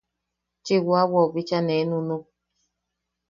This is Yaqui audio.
Chiwawau bicha nee nunuk.